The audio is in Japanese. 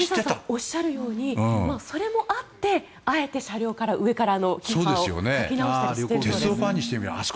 おっしゃるようにそれもあってあえて車両から上から書き直したりしているそうです。